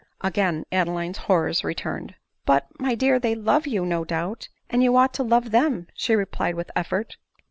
Again Adeline's horrors returned. " But, my dear, they love you no doubt ; and you ought to love them," she replied with effort.